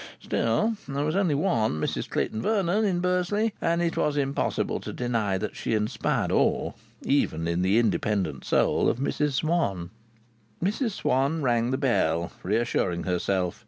Still, there was only one Mrs Clayton Vernon in Bursley, and it was impossible to deny that she inspired awe, even in the independent soul of Mrs Swann. Mrs Swann rang the bell, reassuring herself.